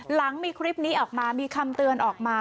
หลังมีคลิปนี้ออกมามีคำเตือนออกมา